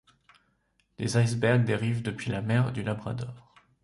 Des icebergs dérivent depuis la mer du Labrador.